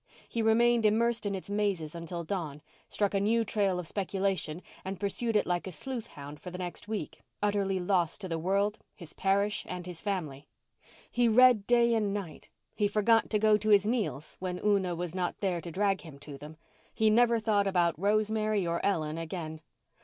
He remained immersed in its mazes until dawn, struck a new trail of speculation and pursued it like a sleuth hound for the next week, utterly lost to the world, his parish and his family. He read day and night; he forgot to go to his meals when Una was not there to drag him to them; he never thought about Rosemary or Ellen again.